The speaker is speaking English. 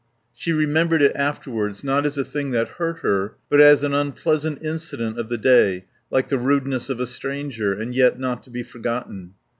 She remembered it afterwards, not as a thing that hurt her, but as an unpleasant incident of the day, like the rudeness of a stranger, and yet not to be forgotten.